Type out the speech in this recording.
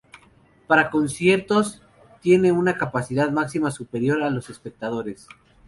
Para conciertos tiene una capacidad máxima superior a los espectadores.